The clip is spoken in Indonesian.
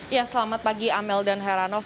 ya selamat pagi amel dan heranov